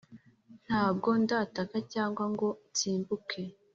ntabwo ndataka cyangwa ngo nsimbuke